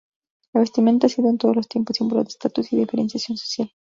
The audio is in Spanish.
La vestimenta ha sido en todos los tiempos símbolo de estatus y diferenciación social.